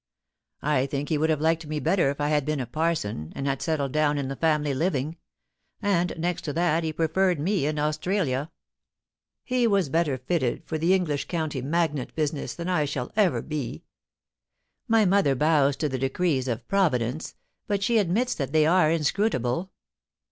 I think he would have liked me better if I had been a parson, and had settled down in the family living ; and next to that he pre ferred me in Australia. ... He was better fitted for the English county magnate business than I shall ever be. ... My mother bows to the decrees of Providence, but she admits that they are inscrutable.